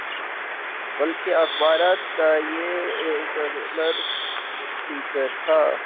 بلکہ اخبارات کا ریگولر فیچر تھا۔